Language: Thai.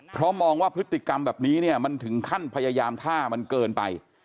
เพราะมองว่าพฤติกรรมแบบนี้เนี่ยมันถึงขั้นพยายามฆ่ามันเกินไป